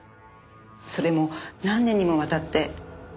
それも何年にもわたって。